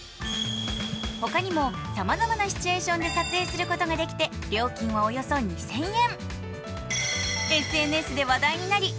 ほかにもさまざまなシチュエーションで撮影することができて料金はおよそ２０００円。